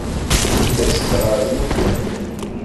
As-d ɣer Tmurt n Leqbayel.